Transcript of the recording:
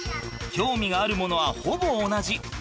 興味があるものはほぼ同じ。